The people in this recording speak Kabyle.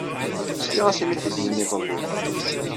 Sliɣ-as imi t-id-yenna iḍelli.